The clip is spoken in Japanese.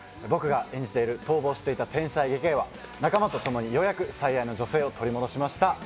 僕が演じている逃亡していた天才外科医は、仲間とともにようやく最愛の女性を取り戻しました。